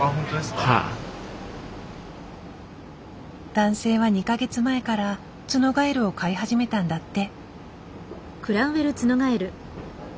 男性は２か月前からツノガエルを飼い始めたんだって。